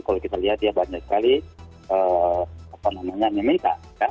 kalau kita lihat dia banyak sekali apa namanya meminta